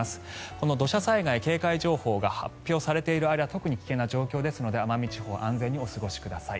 この土砂災害警戒情報が発表されている間特に危険な状況ですので奄美地方は安全にお過ごしください。